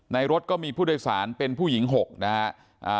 รถก็มีผู้โดยสารเป็นผู้หญิง๖นะฮะ